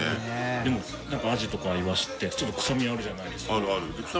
でも何かアジとかイワシってちょっと臭みあるじゃないですかあるある。